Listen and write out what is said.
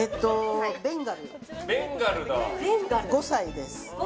ベンガル、５歳です。